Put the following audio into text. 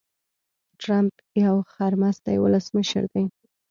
ټرمپ يو خرمستی ولسمشر دي.